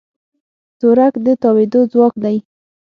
تورک د تاوېدو ځواک دی.